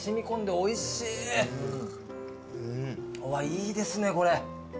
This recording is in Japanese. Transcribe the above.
いいですねこれ。